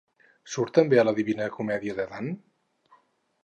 Surt també a la Divina Comèdia de Dant?